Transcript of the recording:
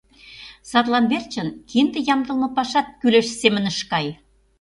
Садлан верчын кинде ямдылыме пашат кӱлеш семын ыш кай.